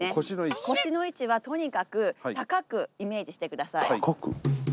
腰の位置はとにかく高くイメージして下さい。